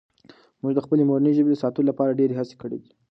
موږ د خپلې مورنۍ ژبې د ساتلو لپاره ډېرې هڅې کړي دي.